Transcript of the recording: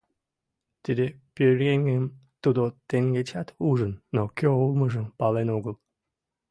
Тиде пӧръеҥым тудо теҥгечат ужын, но кӧ улмыжым пален огыл.